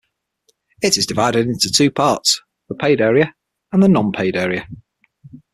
It is divided into two parts: the paid area and the non-paid area.